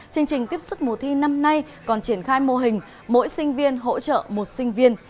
chương trình tiếp sức mùa thi năm nay còn triển khai mô hình mỗi sinh viên hỗ trợ một sinh viên